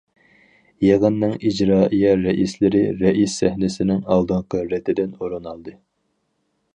يىغىننىڭ ئىجرائىيە رەئىسلىرى رەئىس سەھنىسىنىڭ ئالدىنقى رېتىدىن ئورۇن ئالدى.